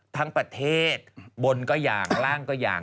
ทั้งประเทศบนก็อย่างล่างก็อย่าง